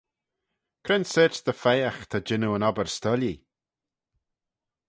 Cre'n sorçh dy pheiagh ta jannoo yn obbyr s'doillee?